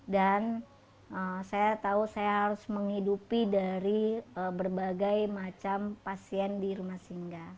dan saya tahu saya harus menghidupi dari berbagai macam pasien di rumah singga